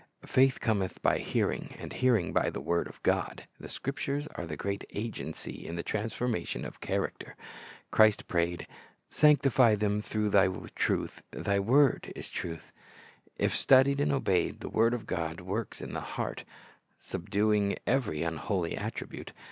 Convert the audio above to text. "Faith Cometh by hear ing, and hearing by the word of God." The Scrip tures are the great agency in the transformation of character. Christ prayed, "Sanctify them through Thy truth; Thy word is truth. "^ If studied and obeyed, the word of God works in the heart, subdu ing every unholy attribute.